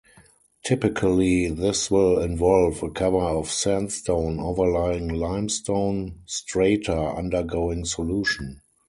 Typically this will involve a cover of sandstone overlying limestone strata undergoing solution.